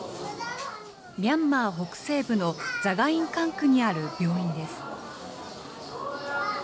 ミャンマー北西部のザガイン管区にある病院です。